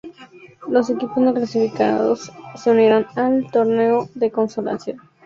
Los equipos no clasificados se unirán al torneo de consolación.